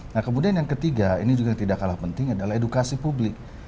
nah kemudian yang ketiga ini juga yang tidak kalah penting adalah edukasi publik